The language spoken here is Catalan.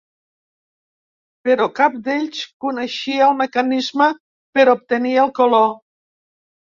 Però cap d'ells coneixia el mecanisme per obtenir el color.